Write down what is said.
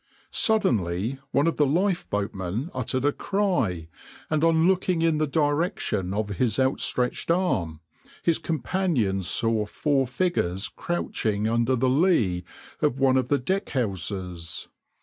Suddenly one of the lifeboatmen uttered a cry, and on looking in the direction of his outstretched arm, his companions saw four figures crouching under the lee of one of the deck houses.